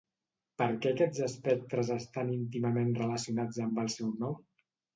Per què aquests espectres estan íntimament relacionats amb el seu nom?